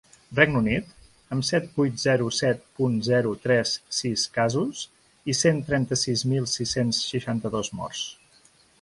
Regne Unit, amb set vuit zero set punt zero tres sis casos i cent trenta-sis mil sis-cents seixanta-dos morts.